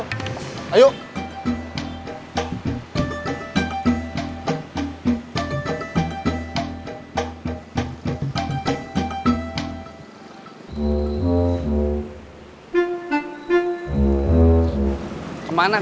masih ada yang nangis